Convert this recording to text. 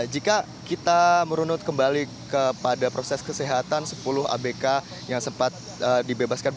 jika kita merunut kembali kepada proses kesehatan sepuluh abk yang sempat dibebaskan